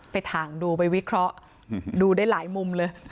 ถ่างดูไปวิเคราะห์ดูได้หลายมุมเลย